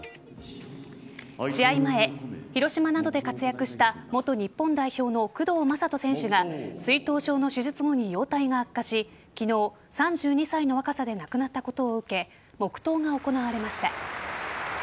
試合前、広島などで活躍した元日本代表の工藤壮人選手が水頭症の手術後に容体が悪化し昨日、３２歳の若さで亡くなったことを受け黙とうが行われました。